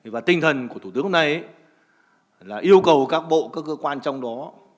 và tinh thần của thủ tướng hôm nay là yêu cầu các bộ các cơ quan trong đó